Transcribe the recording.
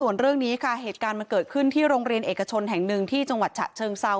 ส่วนเรื่องนี้ค่ะเหตุการณ์มันเกิดขึ้นที่โรงเรียนเอกชนแห่งหนึ่งที่จังหวัดฉะเชิงเซา